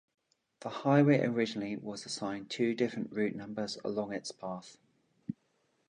The highway originally was assigned two different route numbers along its path.